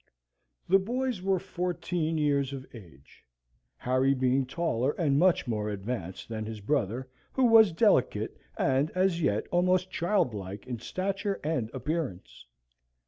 The boys were fourteen years of age, Harry being taller and much more advanced than his brother, who was delicate, and as yet almost childlike in stature and appearance.